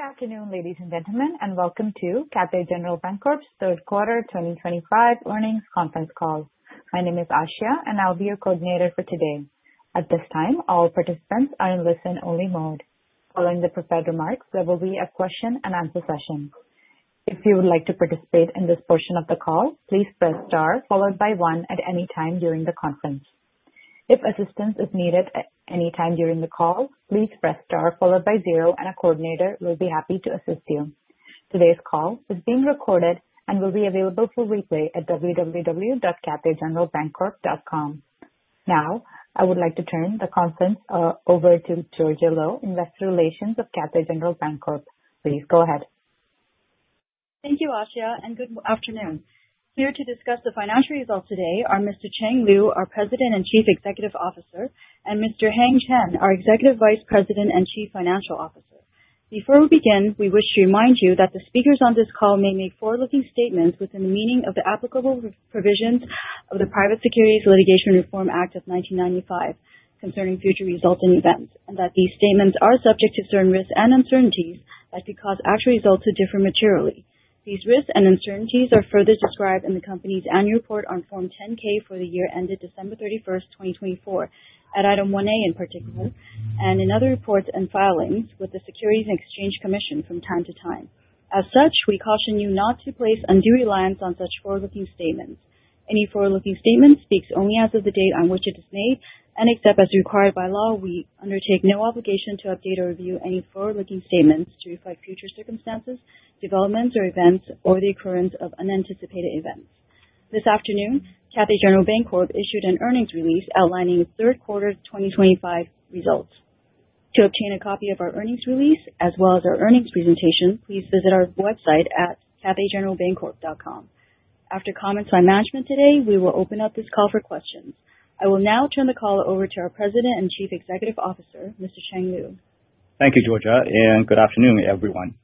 Good afternoon, ladies and gentlemen, and welcome to Cathay General Bancorp's Third Quarter 2025 Earnings Conference Call. My name is Asha, and I'll be your coordinator for today. At this time, all participants are in listen-only mode. Following the prepared remarks, there will be a question-and-answer session. If you would like to participate in this portion of the call, please press star followed by one at any time during the conference. If assistance is needed at any time during the call, please press star followed by zero, and a coordinator will be happy to assist you. Today's call is being recorded and will be available for replay at www.cathaygeneralbancorp.com. Now, I would like to turn the conference over to Georgia Lo, Investor Relations of Cathay General Bancorp. Please go ahead. Thank you, Asha, and good afternoon. Here to discuss the financial results today are Mr. Chang Liu, our President and Chief Executive Officer, and Mr. Heng Chen, our Executive Vice President and Chief Financial Officer. Before we begin, we wish to remind you that the speakers on this call may make forward-looking statements within the meaning of the applicable provisions of the Private Securities Litigation Reform Act of 1995 concerning future results and events, and that these statements are subject to certain risks and uncertainties that could cause actual results to differ materially. These risks and uncertainties are further described in the company's annual report on Form 10-K for the year ended December 31st, 2024, at Item 1A in particular, and in other reports and filings with the Securities and Exchange Commission from time to time. As such, we caution you not to place undue reliance on such forward-looking statements. Any forward-looking statement speaks only as of the date on which it is made, and except as required by law, we undertake no obligation to update or review any forward-looking statements to reflect future circumstances, developments, or events, or the occurrence of unanticipated events. This afternoon, Cathay General Bancorp issued an earnings release outlining Third Quarter 2025 results. To obtain a copy of our earnings release as well as our earnings presentation, please visit our website at cathaygeneralbancorp.com. After comments by management today, we will open up this call for questions. I will now turn the call over to our President and Chief Executive Officer, Mr. Chang Liu. Thank you, Georgia, and good afternoon, everyone.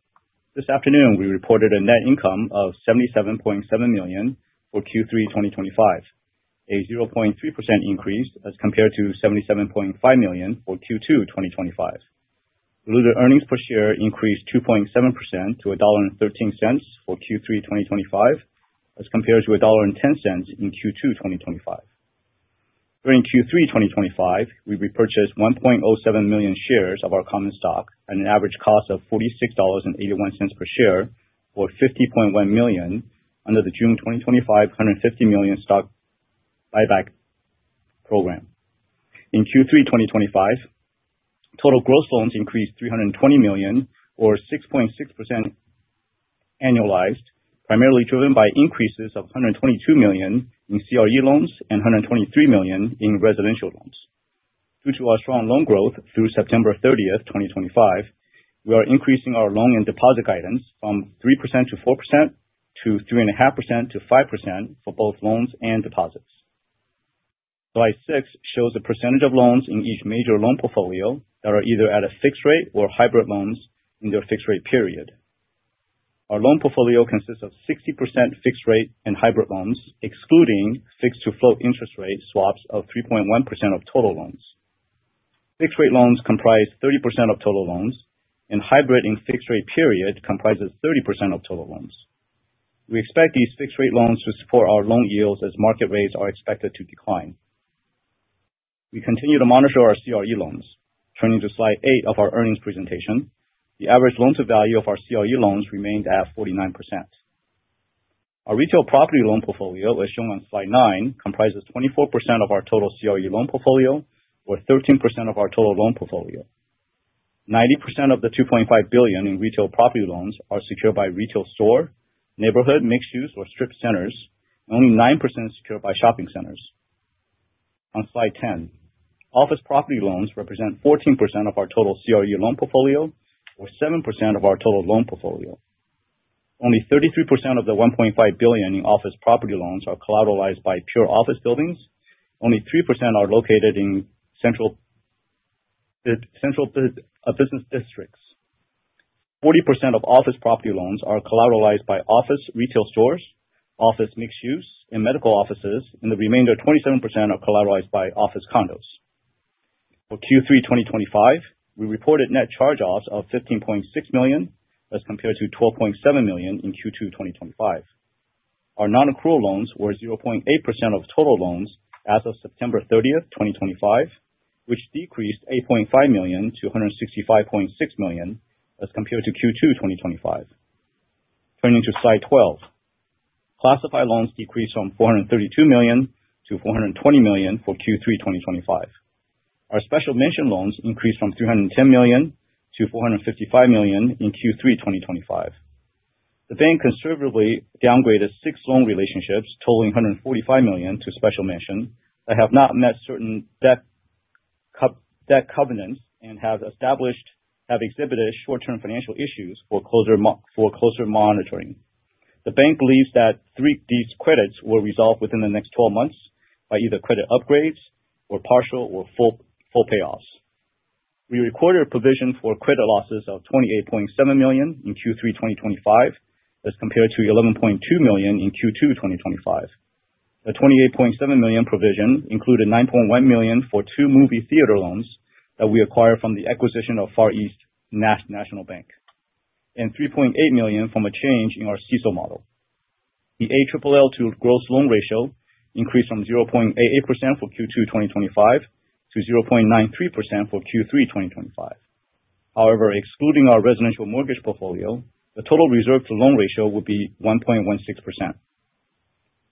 This afternoon, we reported a net income of $77.7 million for Q3 2025, a 0.3% increase as compared to $77.5 million for Q2 2025. The earnings per share increased 2.7% to $1.13 for Q3 2025 as compared to $1.10 in Q2 2025. During Q3 2025, we repurchased 1.07 million shares of our common stock at an average cost of $46.81 per share for $50.1 million under the June 2025 $150 million stock buyback program. In Q3 2025, total gross loans increased $320 million, or 6.6% annualized, primarily driven by increases of $122 million in CRE loans and $123 million in residential loans. Due to our strong loan growth through September 30th, 2025, we are increasing our loan and deposit guidance from 3%-4% to 3.5%-5% for both loans and deposits. Slide six shows the percentage of loans in each major loan portfolio that are either at a fixed rate or hybrid loans in their fixed rate period. Our loan portfolio consists of 60% fixed rate and hybrid loans, excluding fixed-to-flow interest rate swaps of 3.1% of total loans. fixed rate loans comprise 30% of total loans, and Hybrid and fixed rate period comprises 30% of total loans. We expect these fixed rate loans to support our loan yields as market rates are expected to decline. We continue to monitor our CRE loans. Turning to Slide eight of our earnings presentation, the average loan-to-value of our CRE loans remains at 49%. Our retail property loan portfolio, as shown on Slide nine, comprises 24% of our total CRE loan portfolio or 13% of our total loan portfolio. 90% of the $2.5 billion in retail property loans are secured by retail store, neighborhood, mixed-use, or strip centers, and only 9% is secured by shopping centers. On Slide 10, office property loans represent 14% of our total CRE loan portfolio or 7% of our total loan portfolio. Only 33% of the $1.5 billion in office property loans are collateralized by pure office buildings. Only 3% are located in central business districts. 40% of office property loans are collateralized by office retail stores, office mixed-use, and medical offices, and the remainder of 27% are collateralized by office condos. For Q3 2025, we reported net charge-offs of $15.6 million as compared to $12.7 million in Q2 2025. Our non-accrual loans were 0.8% of total loans as of September 30th, 2025, which decreased $8.5 million to $165.6 million as compared to Q2 2025. Turning to Slide 12, classified loans decreased from $432 million to $420 million for Q3 2025. Our special mention loans increased from $310 million-$455 million in Q3 2025. The bank conservatively downgraded six loan relationships totaling $145 million to special mention that have not met certain debt covenants and have exhibited short-term financial issues for closer monitoring. The bank believes that these credits will resolve within the next 12 months by either credit upgrades or partial or full payoffs. We recorded a provision for credit losses of $28.7 million in Q3 2025 as compared to $11.2 million in Q2 2025. The $28.7 million provision included $9.1 million for two movie theater loans that we acquired from the acquisition of Far East National Bank and $3.8 million from a change in our CECL model. The ALLL to gross loan ratio increased from 0.88% for Q2 2025 to 0.93% for Q3 2025. However, excluding our residential mortgage portfolio, the total reserve-to-loan ratio would be 1.16%.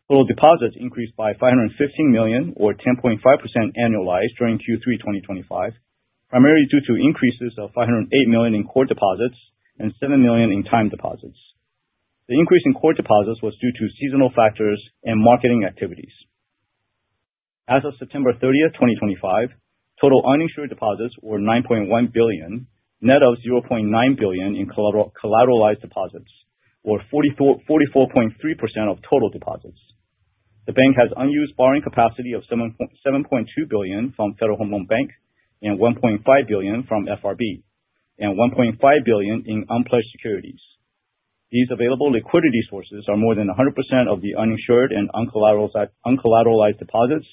Total deposits increased by $515 million, or 10.5% annualized, during Q3 2025, primarily due to increases of $508 million in core deposits and $7 million in time deposits. The increase in core deposits was due to seasonal factors and marketing activities. As of September 30th, 2025, total uninsured deposits were $9.1 billion, net of $0.9 billion in collateralized deposits, or 44.3% of total deposits. The bank has unused borrowing capacity of $7.2 billion from Federal Home Loan Bank and $1.5 billion from FRB and $1.5 billion in unpledged securities. These available liquidity sources are more than 100% of the uninsured and uncollateralized deposits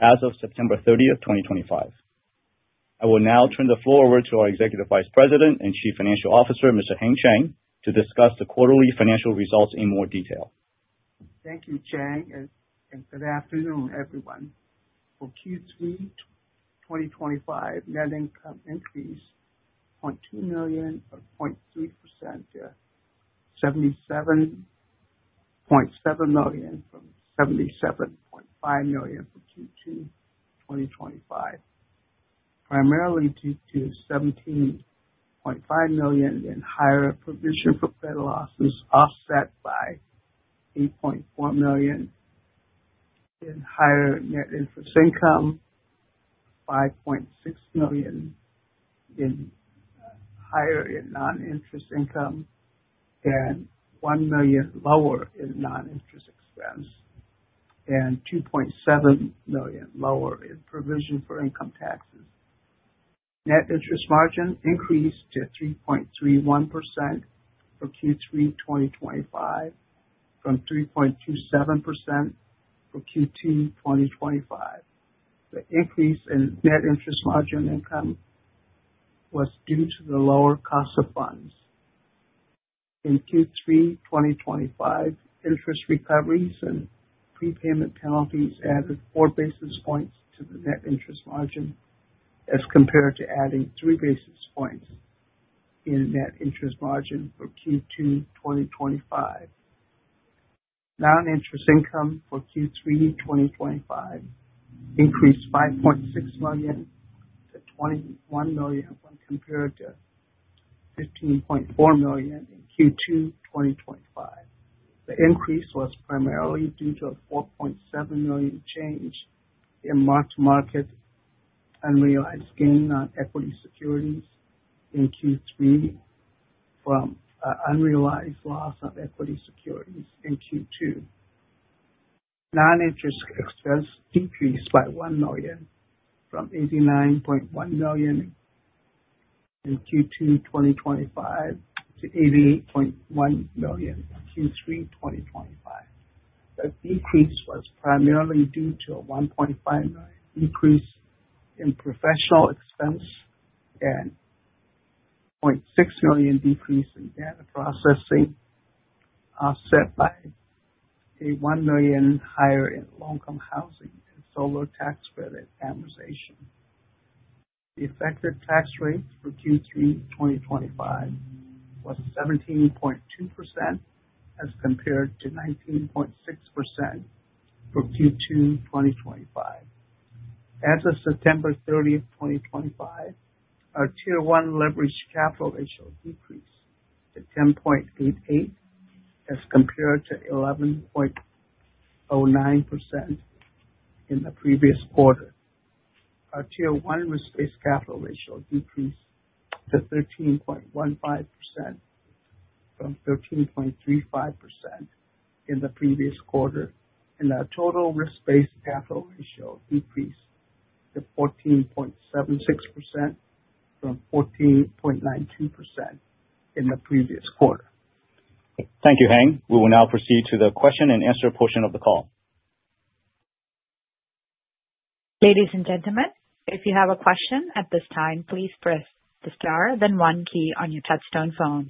as of September 30th, 2025. I will now turn the floor over to our Executive Vice President and Chief Financial Officer, Mr. Heng Chen, to discuss the quarterly financial results in more detail. Thank you, Chang, and good afternoon, everyone. For Q3 2025, net income increased $0.2 million, or 0.3%, to $77.7 million from $77.5 million for Q2 2025, primarily due to $17.5 million in higher provision for credit losses offset by $8.4 million in higher net interest income, $5.6 million in higher non-interest income, and $1 million lower in non-interest expense, and $2.7 million lower in provision for income taxes. Net interest margin increased to 3.31% for Q3 2025 from 3.27% for Q2 2025. The increase in net interest margin income was due to the lower cost of funds. In Q3 2025, interest recoveries and prepayment penalties added four basis points to the net interest margin as compared to adding three basis points in net interest margin for Q2 2025. Non-interest income for Q3 2025 increased $5.6 million-$21 million when compared to $15.4 million in Q2 2025. The increase was primarily due to a $4.7 million change in mark-to-market unrealized gain on equity securities in Q3 from an unrealized loss on equity securities in Q2. Non-interest expense decreased by $1 million from $89.1 million in Q2 2025 to $88.1 million in Q3 2025. The decrease was primarily due to a $1.5 million increase in professional expense and a $0.6 million decrease in data processing offset by a $1 million higher in low-income housing and solar tax credit amortization. The effective tax rate for Q3 2025 was 17.2% as compared to 19.6% for Q2 2025. As of September 30th, 2025, our Tier 1 leverage capital ratio decreased to 10.88% as compared to 11.09% in the previous quarter. Our Tier 1 risk-based capital ratio decreased to 13.15% from 13.35% in the previous quarter, and our total risk-based capital ratio decreased to 14.76% from 14.92% in the previous quarter. Thank you, Heng. We will now proceed to the question-and-answer portion of the call. Ladies and gentlemen, if you have a question at this time, please press the star, then one key on your touch-tone phone.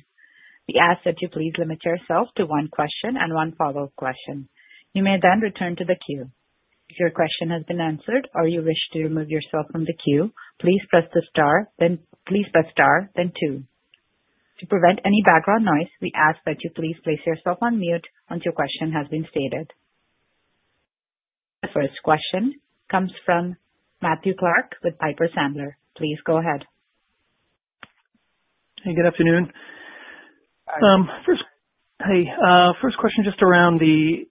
We ask that you please limit yourself to one question and one follow-up question. You may then return to the queue. If your question has been answered or you wish to remove yourself from the queue, please press the star, then please press star, then two. To prevent any background noise, we ask that you please place yourself on mute once your question has been stated. The first question comes from Matthew Clark with Piper Sandler. Please go ahead. Hey, good afternoon. First question just around the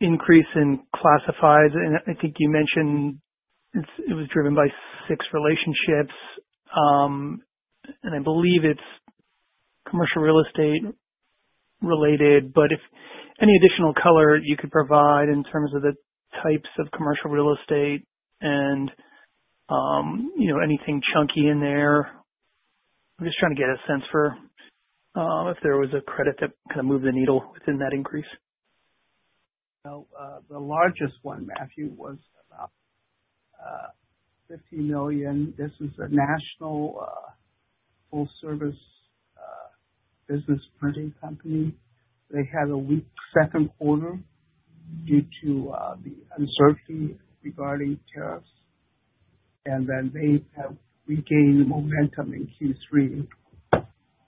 increase in classifieds. And I think you mentioned it was driven by six relationships, and I believe it's commercial real estate related. But if any additional color you could provide in terms of the types of commercial real estate and anything chunky in there? I'm just trying to get a sense for if there was a credit that kind of moved the needle within that increase. The largest one, Matthew, was about $50 million. This is a national full-service business printing company. They had a weak second quarter due to the uncertainty regarding tariffs, and then they have regained momentum in Q3,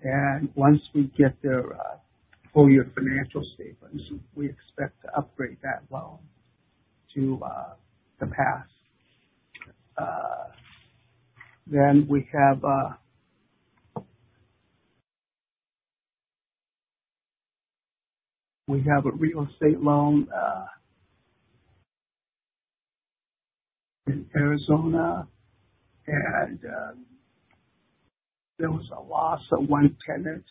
and once we get their full-year financial statements, we expect to upgrade that loan to pass, then we have a real estate loan in Arizona, and there was a loss of one tenant,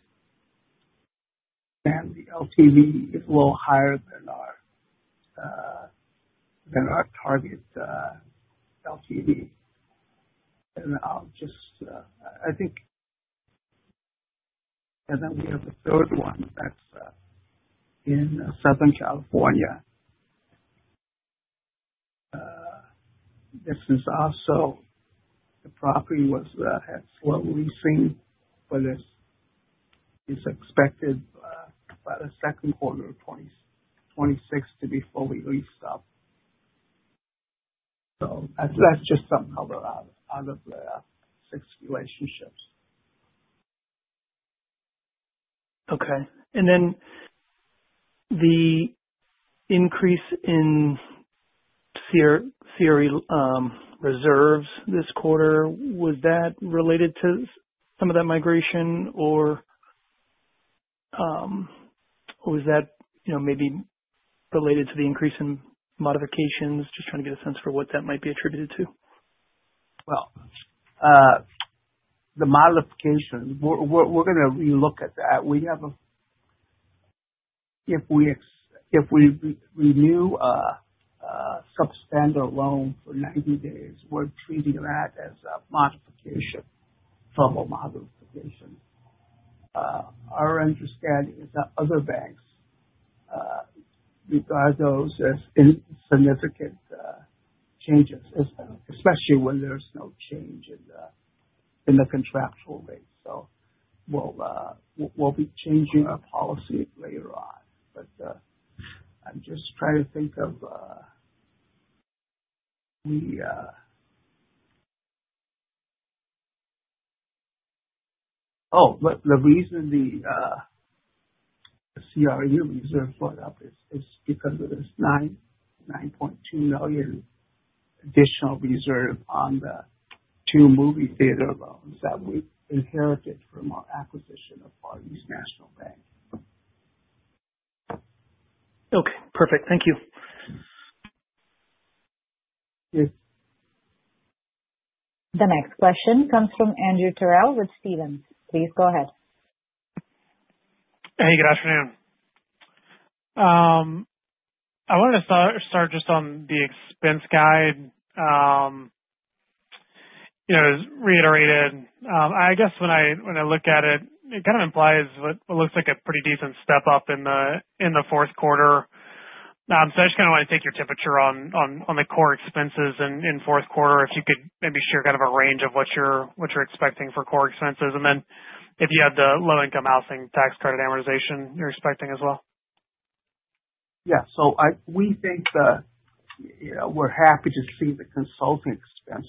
and the LTV is a little higher than our target LTV, and I'll just, I think, and then we have a third one that's in Southern California, this is also the property had slow leasing, but it's expected by the second quarter of 2026 to be fully leased up, so that's just some color out of the six relationships. Okay. And then the increase in CRE reserves this quarter, was that related to some of that migration, or was that maybe related to the increase in modifications? Just trying to get a sense for what that might be attributed to. The modifications, we're going to relook at that. If we renew a substandard loan for 90 days, we're treating that as a modification, a troubled modification. Our understanding is that other banks regard those as insignificant changes, especially when there's no change in the contractual rate. We'll be changing our policy later on. I'm just trying to think of the reason the CRE reserve is brought up is because of this $9.2 million additional reserve on the two movie theater loans that we inherited from our acquisition of Far East National Bank. Okay. Perfect. Thank you. The next question comes from Andrew Terrell with Stephens. Please go ahead. Hey, good afternoon. I wanted to start just on the expense guide. As reiterated, I guess when I look at it, it kind of implies what looks like a pretty decent step up in the fourth quarter. So I just kind of want to take your temperature on the core expenses in fourth quarter, if you could maybe share kind of a range of what you're expecting for core expenses. And then if you had the low-income housing tax credit amortization, you're expecting as well? Yeah. So we think we're happy to see the consulting expense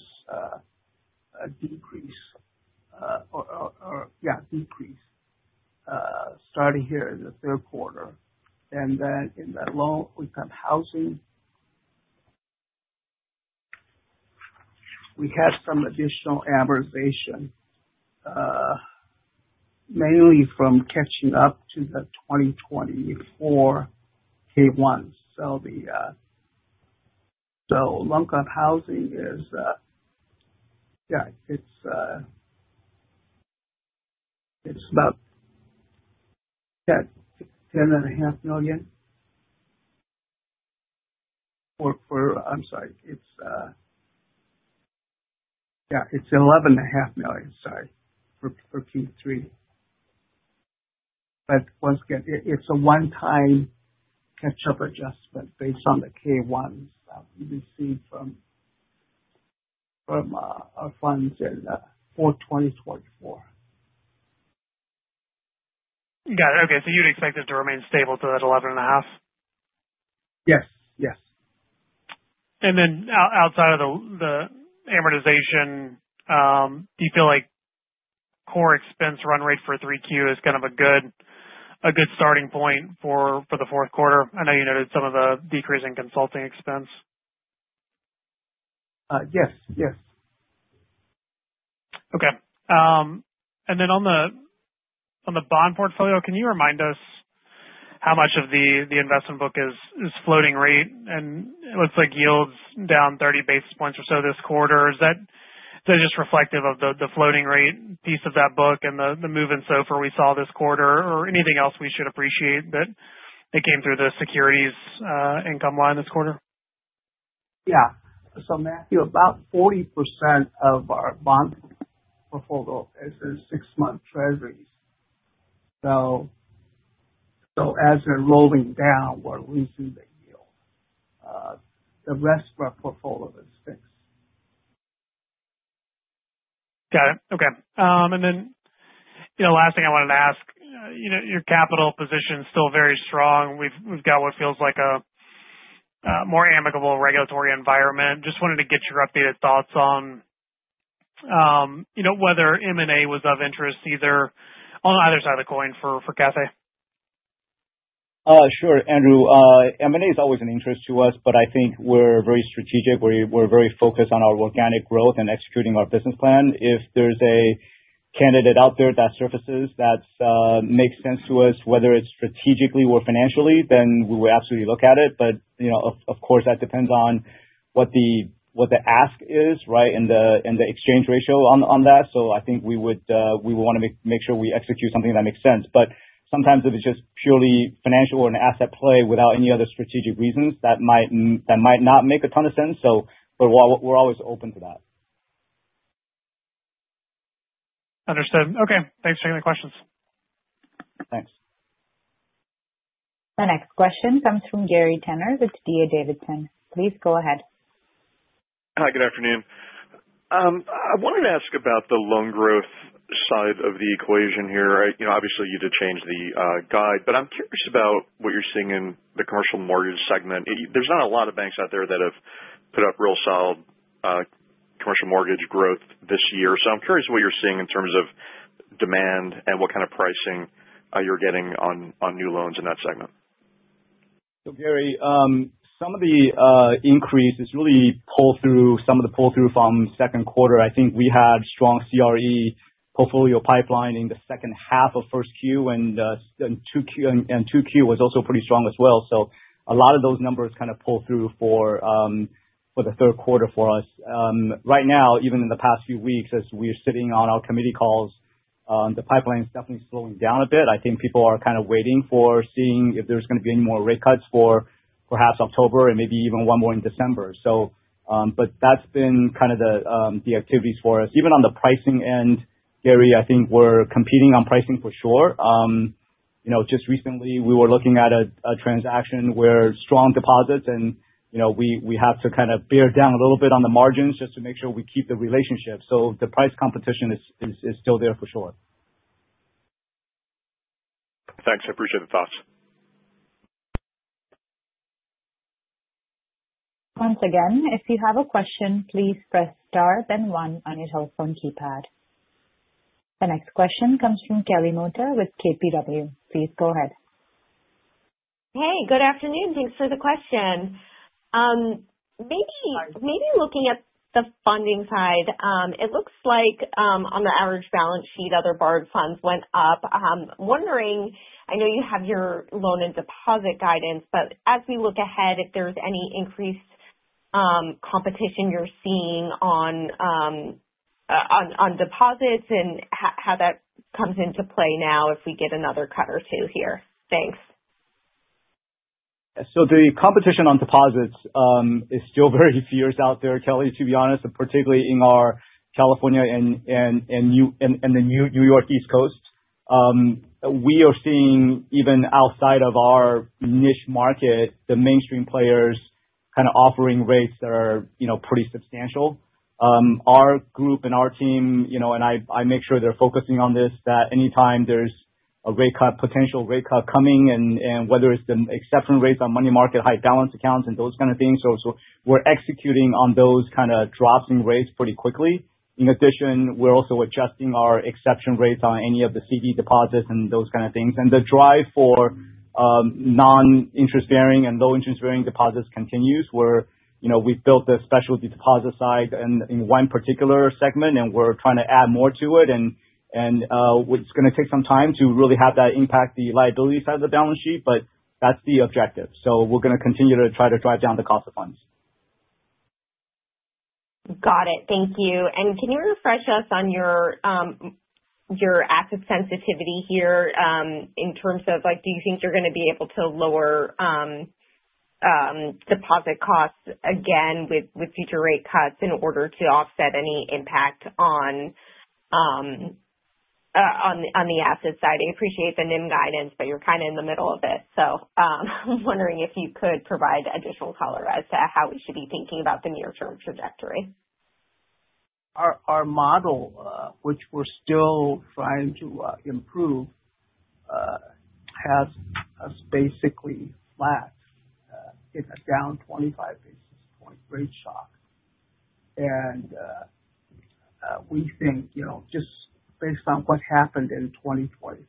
decrease starting here in the third quarter. And then in the low-income housing, we had some additional amortization, mainly from catching up to the 2024 K-1. So low-income housing is, it's about $10.5 million for, I'm sorry, it's $11.5 million, sorry, for Q3. But once again, it's a one-time catch-up adjustment based on the K-1s that we received from our funds in 04/2024. Got it. Okay. So you'd expect it to remain stable to that $11.5? Yes. Yes. And then outside of the amortization, do you feel like core expense run rate for 3Q is kind of a good starting point for the fourth quarter? I know you noted some of the decrease in consulting expense. Yes. Yes. Okay. And then on the bond portfolio, can you remind us how much of the investment book is floating rate? And it looks like yields down 30 basis points or so this quarter. Is that just reflective of the floating rate piece of that book and the move in SOFR we saw this quarter, or anything else we should appreciate that came through the securities income line this quarter? Yeah. So, Matthew, about 40% of our bond portfolio is in six-month Treasuries. So as they're rolling down, we're losing the yield. The rest of our portfolio is fixed. Got it. Okay. And then last thing I wanted to ask, your capital position is still very strong. We've got what feels like a more amicable regulatory environment. Just wanted to get your updated thoughts on whether M&A was of interest either on either side of the coin for Cathay? Sure, Andrew. M&A is always an interest to us, but I think we're very strategic. We're very focused on our organic growth and executing our business plan. If there's a candidate out there that surfaces that makes sense to us, whether it's strategically or financially, then we would absolutely look at it. But, of course, that depends on what the ask is, right, and the exchange ratio on that. So I think we would want to make sure we execute something that makes sense. But sometimes if it's just purely financial or an asset play without any other strategic reasons, that might not make a ton of sense. But we're always open to that. Understood. Okay. Thanks for taking the questions. Thanks. The next question comes from Gary Tenner with D.A. Davidson. Please go ahead. Hi, good afternoon. I wanted to ask about the loan growth side of the equation here. Obviously, you did change the guide, but I'm curious about what you're seeing in the commercial mortgage segment. There's not a lot of banks out there that have put up real solid commercial mortgage growth this year. So I'm curious what you're seeing in terms of demand and what kind of pricing you're getting on new loans in that segment. So, Gary, some of the increase is really pulled through some of the pull-through from second quarter. I think we had strong CRE portfolio pipeline in the second half of first Q, and 2Q was also pretty strong as well. So a lot of those numbers kind of pulled through for the third quarter for us. Right now, even in the past few weeks, as we're sitting on our committee calls, the pipeline is definitely slowing down a bit. I think people are kind of waiting for seeing if there's going to be any more rate cuts for perhaps October and maybe even one more in December. But that's been kind of the activities for us. Even on the pricing end, Gary, I think we're competing on pricing for sure. Just recently, we were looking at a transaction where strong deposits, and we have to kind of bear down a little bit on the margins just to make sure we keep the relationship. So the price competition is still there for sure. Thanks. I appreciate the thoughts. Once again, if you have a question, please press star then one on your telephone keypad. The next question comes from Kelly Motta with KBW. Please go ahead. Hey, good afternoon. Thanks for the question. Maybe looking at the funding side, it looks like on the average balance sheet, other borrowed funds went up. I'm wondering, I know you have your loan and deposit guidance, but as we look ahead, if there's any increased competition you're seeing on deposits and how that comes into play now if we get another cut or two here? Thanks. So the competition on deposits is still very fierce out there, Kelly, to be honest, particularly in our California and the New York, East Coast. We are seeing even outside of our niche market, the mainstream players kind of offering rates that are pretty substantial. Our group and our team, and I make sure they're focusing on this, that anytime there's a rate cut, potential rate cut coming, and whether it's the exception rates on money market, high balance accounts, and those kind of things, so we're executing on those kind of drops in rates pretty quickly. In addition, we're also adjusting our exception rates on any of the CD deposits and those kind of things, and the drive for non-interest-bearing and low-interest-bearing deposits continues. We've built the specialty deposit side in one particular segment, and we're trying to add more to it. And it's going to take some time to really have that impact the liability side of the balance sheet, but that's the objective. So we're going to continue to try to drive down the cost of funds. Got it. Thank you. And can you refresh us on your asset sensitivity here in terms of do you think you're going to be able to lower deposit costs again with future rate cuts in order to offset any impact on the asset side? I appreciate the NIM guidance, but you're kind of in the middle of it. So I'm wondering if you could provide additional color as to how we should be thinking about the near-term trajectory. Our model, which we're still trying to improve, has basically flat. It's down 25 basis points rate shock, and we think just based on what happened in 2025,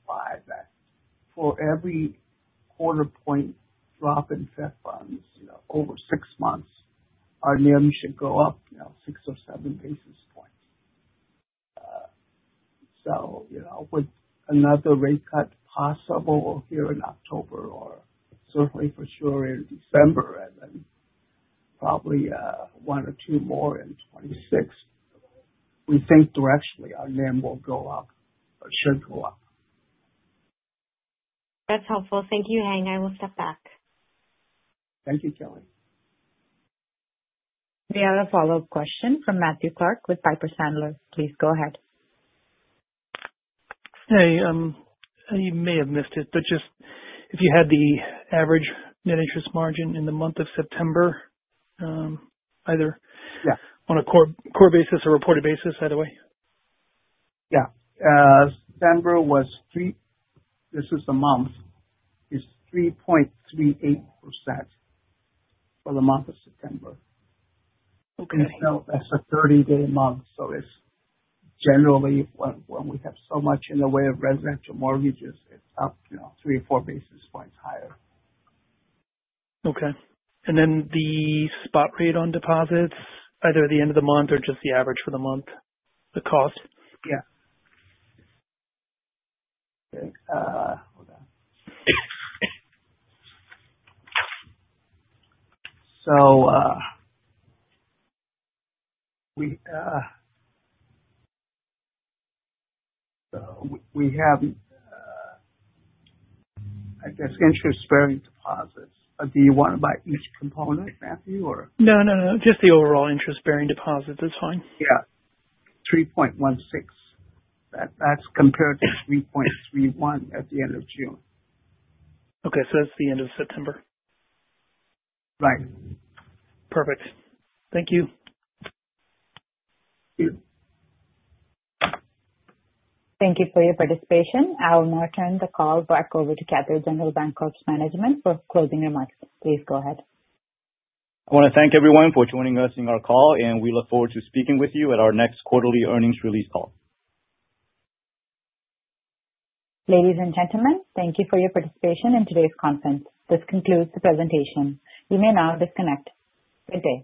that for every quarter-point drop in Fed funds over six months, our NIM should go up six or seven basis points, so with another rate cut possible here in October or certainly for sure in December, and then probably one or two more in 2026, we think directionally our NIM will go up or should go up. That's helpful. Thank you, Heng. I will step back. Thank you, Kelly. We have a follow-up question from Matthew Clark with Piper Sandler. Please go ahead. Hey, you may have missed it, but just if you had the average net interest margin in the month of September, either on a core basis or reported basis, by the way? Yeah. September was three—this is the month—is 3.38% for the month of September. And so that's a 30-day month. So it's generally when we have so much in the way of residential mortgages, it's up three or four basis points higher. Okay. And then the spot rate on deposits, either at the end of the month or just the average for the month, the cost? Yeah. Hold on, so we have, I guess, interest-bearing deposits. Do you want to by each component, Matthew, or? No, no, no. Just the overall interest-bearing deposit is fine. Yeah. 3.16. That's compared to 3.31 at the end of June. Okay. So that's the end of September? Right. Perfect. Thank you. Thank you for your participation. I will now turn the call back over to Cathay General Bancorp's management for closing remarks. Please go ahead. I want to thank everyone for joining us in our call, and we look forward to speaking with you at our next quarterly earnings release call. Ladies and gentlemen, thank you for your participation in today's conference. This concludes the presentation. You may now disconnect. Good day.